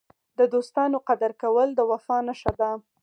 د دوستانو قدر کول د وفا نښه ده.